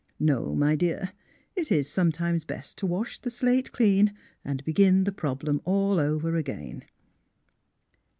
No, my dear, it is sometimes best to wash the slate clean and begin the problem all over again."